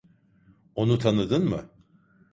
Onu tanıdın mı?